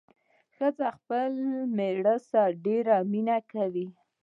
ښځه خپل مېړه سره ډېره مينه کوي